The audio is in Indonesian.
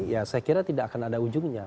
ya saya kira tidak akan ada ujungnya